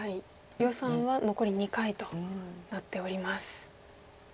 余さんは残り２回となっております。